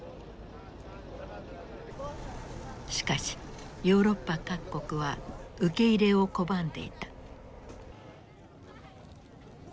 しかしヨーロッパ各国は受け入れを拒んでいた。